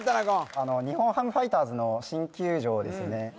あの日本ハムファイターズの新球場ですよね